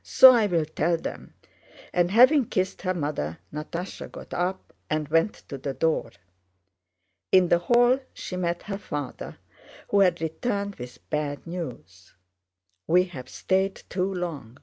so I'll tell them," and, having kissed her mother, Natásha got up and went to the door. In the hall she met her father, who had returned with bad news. "We've stayed too long!"